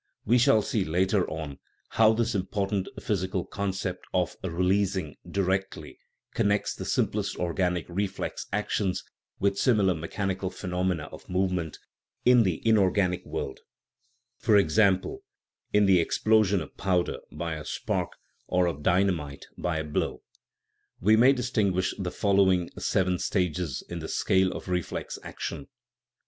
We shall see later on how this impor tant physical concept of " releasing " directly connects the simplest organic reflex actions with similar me chanical phenomena of movement in the inorganic world (for instance, in the explosion of powder by a spark, or of dynamite by a blow). We may distinguish the following seven stages in the scale of reflex action : I.